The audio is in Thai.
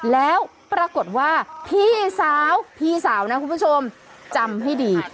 แล้วปรากฏว่าพี่สาวพี่สาวนะคุณผู้ชมจำให้ดี